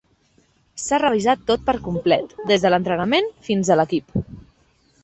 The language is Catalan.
S'ha revisat tot per complet, des de l'entrenament fins a l'equip.